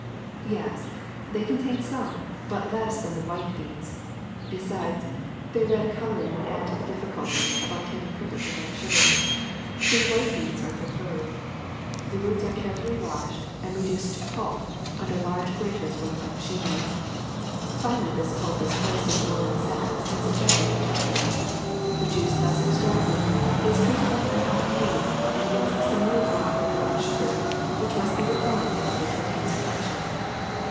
Yes, they contain some, but less than the white beets. Besides, their red coloring would add to the difficulty of obtaining perfectly white sugar. So the white beets are preferred. The roots are carefully washed and then reduced to pulp under large graters worked by machinery. Finally this pulp is placed in woolen sacks and subjected to pressure. The juice thus extracted is treated like that of the cane and yields a similar raw or brown sugar, which must be refined in order to attain perfection.